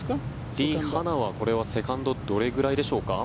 リ・ハナはセカンドどれくらいでしょうか？